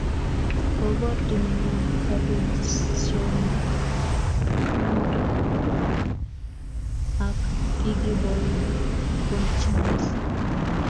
Kobor timinyon kapelisyonotok ak kikipoipoenchi missing'